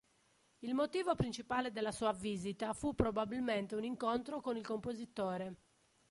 Il motivo principale della sua visita fu probabilmente un incontro con il compositore.